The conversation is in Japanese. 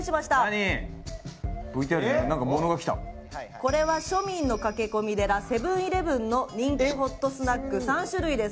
これは庶民の駆け込み寺セブン−イレブンの人気ホットスナック３種類です。